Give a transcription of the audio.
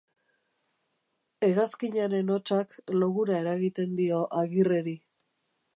Hegazkinaren hotsak logura eragiten dio Agirreri.